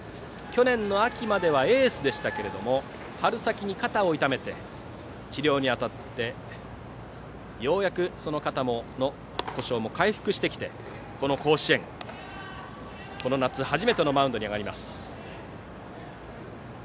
去年秋までエースでしたが春先に肩を痛めて治療に当たってようやくその肩の故障も回復してきて、この甲子園この夏初めてのマウンドに上がります。